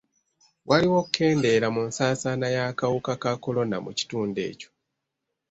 Waliwo okukendeera mu nsaasaana y'akawuka ka kolona mu kitundu ekyo.